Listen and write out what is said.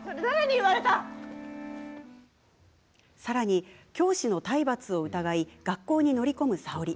さらに、教師の体罰を疑い学校に乗り込む早織。